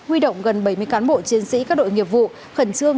huy động gần bảy mươi cán bộ chiến sĩ các đội nghiệp vụ khẩn trương